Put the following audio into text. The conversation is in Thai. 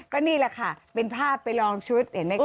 ก็นี่แหละค่ะเป็นภาพไปลองชุดเห็นไหมคะ